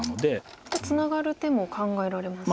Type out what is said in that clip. これツナがる手も考えられますか。